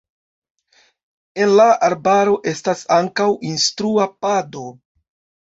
En la arbaro estas ankaŭ instrua pado.